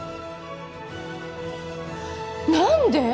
何で？